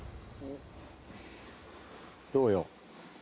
どうよ。